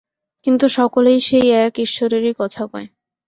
কিন্তু সকলেই সেই এক ঈশ্বরেরই কথা কয়।